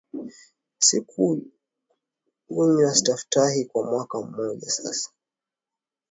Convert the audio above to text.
Sijakunywa staftahi kwa mwaka mmoja sasa